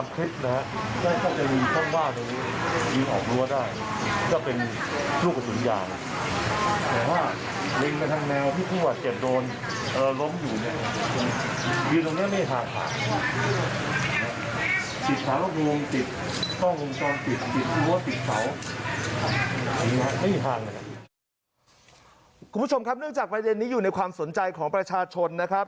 คุณผู้ชมครับเนื่องจากประเด็นนี้อยู่ในความสนใจของประชาชนนะครับ